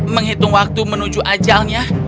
menghitung waktu menuju ajalnya